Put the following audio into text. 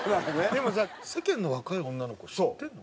でもさ世間の若い女の子知ってるの？